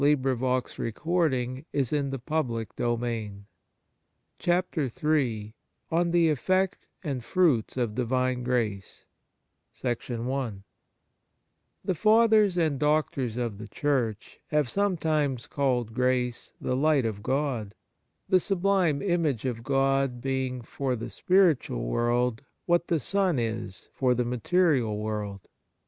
ON THE EFFECT AND FRUITS OF DIVINE GRACE CHAPTER III ON THE EFFECT AND FRUITS OF DIVINE GRACE Fathers and Doctors of the Church have sometimes called grace * the light of God ; the sublime image of God being for the spiritual world what the sun is for the material world.